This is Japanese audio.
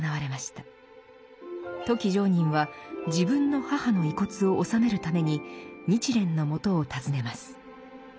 富木常忍は自分の母の遺骨を納めるために日蓮のもとを訪ねます。